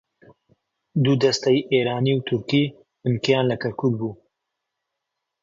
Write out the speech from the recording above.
دوو دەستەی ئێرانی و تورکی بنکەیان لە کەرکووک بوو